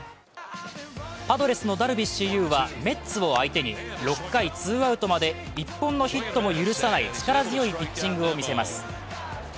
パドレスのダルビッシュ有はメッツを相手に６回ツーアウトまで１本のヒットも許さない力強いピッチングを見せます。